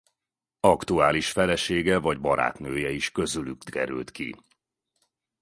Aktuális felesége vagy barátnője is közülük került ki.